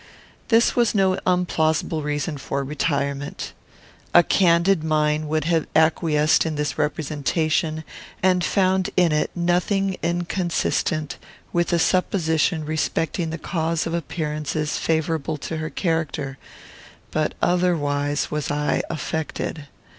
This was no unplausible reason for retirement. A candid mind would have acquiesced in this representation, and found in it nothing inconsistent with a supposition respecting the cause of appearances favourable to her character; but otherwise was I affected.